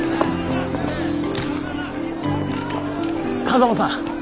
狭間さん！